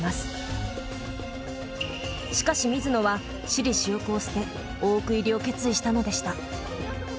しかし水野は私利私欲を捨て大奥入りを決意したのでした。